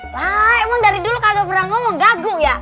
wah emang dari dulu kagak pernah ngomong gagu ya